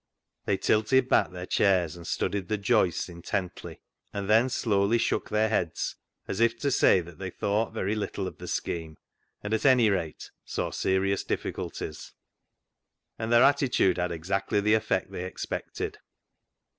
They tilted back their chairs and studied the joists intently, and then slowly shook their heads, as if to say that they thought very little of the scheme, and, at anyrate, saw serious difficulties. 314 CLOG SHOP CHRONICLES And their attitude had exactly the effect they expected.